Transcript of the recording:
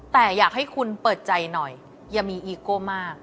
แต่อยากให้คุณเปิดใจหน่อยอย่ามีอีโก้มาก